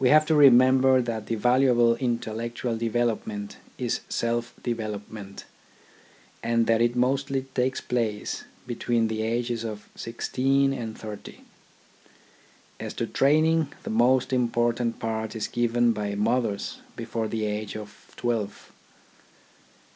We have to remember that the valuable intellectual development is self development, and that it mostly takes place between the ages of sixteen and thirty. As to training, the most important part is given by mothers before the age of twelve.